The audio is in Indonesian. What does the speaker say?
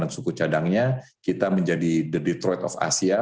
suku cadangnya kita menjadi the detroit of asia